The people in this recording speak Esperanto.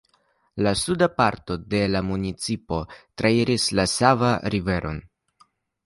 La suda parto de la municipo trairas la Sava Riveron.